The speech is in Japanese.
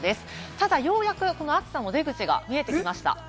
ただ、ようやくこの暑さも出口が見えてきました。